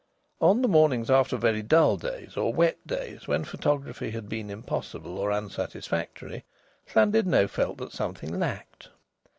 On the mornings after very dull days or wet days, when photography had been impossible or unsatisfactory, Llandudno felt that something lacked.